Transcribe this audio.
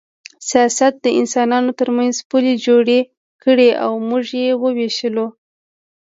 سیاست د انسانانو ترمنځ پولې جوړې کړې او موږ یې ووېشلو